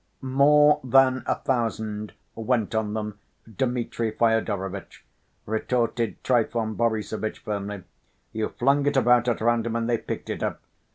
"More than a thousand went on them, Dmitri Fyodorovitch," retorted Trifon Borissovitch firmly. "You flung it about at random and they picked it up.